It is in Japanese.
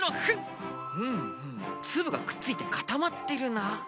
ふんふんつぶがくっついてかたまってるな。